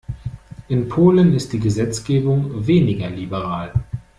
In Polen ist die Gesetzgebung weniger liberal.